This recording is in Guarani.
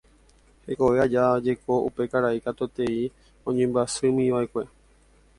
Hekove aja jeko upe karai katuetei oñembyasymíva'ekue